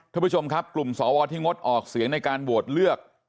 ท่านผู้ชมครับกลุ่มสวที่งดออกเสียงในการโหวตเลือก